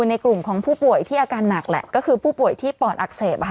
ในกลุ่มของผู้ป่วยที่อาการหนักแหละก็คือผู้ป่วยที่ปอดอักเสบ